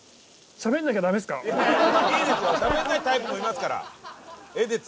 しゃべらないタイプもいますから。